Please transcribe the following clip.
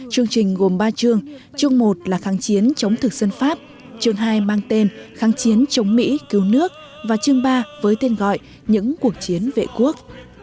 chương trình gồm ba trường trường một là kháng chiến chống thực dân pháp trường hai mang tên kháng chiến chống mỹ cứu nước và trường ba với tên gọi những cuộc chiến vệ quốc